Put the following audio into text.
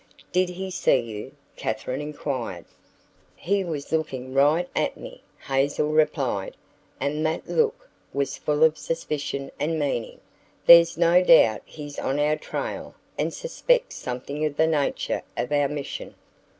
"Did he see you?" Katherine inquired. "He was looking right at me," Hazel replied; "and that look was full of suspicion and meaning. There's no doubt he's on our trail and suspects something of the nature of our mission."